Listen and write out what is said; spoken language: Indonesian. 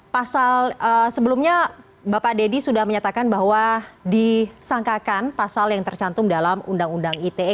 pasal sebelumnya bapak deddy sudah menyatakan bahwa disangkakan pasal yang tercantum dalam undang undang ite